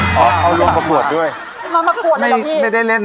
มาร้องในรายการหายไปเป็นคุณกร่องสหรัฐ